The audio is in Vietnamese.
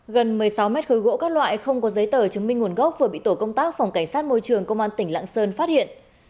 gần một mươi sáu mét khối gỗ các loại không có giấy tờ chứng minh nguồn gốc vừa bị tổ công tác phòng cảnh sát môi trường công an tỉnh lạng sơn phát hiện